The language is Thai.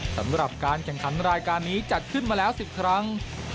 สำหรับการแข่งขันรายการนี้จัดขึ้นมาแล้ว๑๐ครั้ง